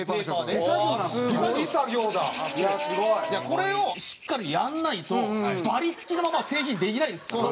これをしっかりやらないとバリ付きのまま製品にできないですから。